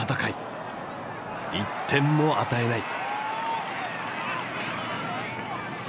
１点も与えない。